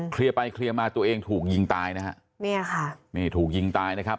เคลียร์ไปเคลียร์มาตัวเองถูกยิงตายนะฮะนี่ค่ะถูกยิงตายนะครับ